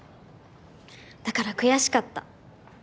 だから悔しかった。